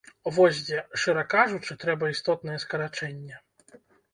Вось дзе, шчыра кажучы, трэба істотнае скарачэнне.